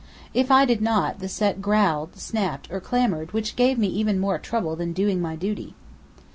If I did not, the Set growled, snapped or clamoured; which gave me even more trouble than doing my duty.